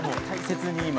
大切に。